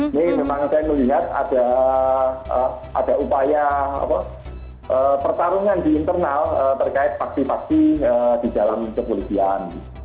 ini memang saya melihat ada upaya pertarungan di internal terkait faksi faksi di dalam kepolisian